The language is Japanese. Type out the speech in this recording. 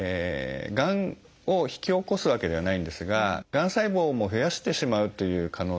がんを引き起こすわけではないんですががん細胞も増やしてしまうという可能性があるんですね。